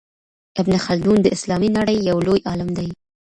ابن خلدون د اسلامي نړۍ يو لوی عالم دی.